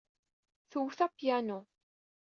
Twet apyanu.